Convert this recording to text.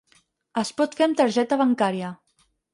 Es pot fer amb targeta bancària.